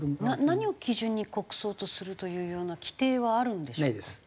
何を基準に国葬とするというような規定はあるんでしょうか？